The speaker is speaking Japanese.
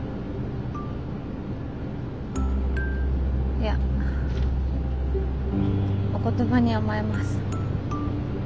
いやお言葉に甘えます。